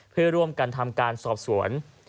เพื่อร่วมกันทำการสอบสวน